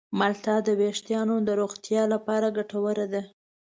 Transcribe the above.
مالټه د ویښتانو د روغتیا لپاره ګټوره ده.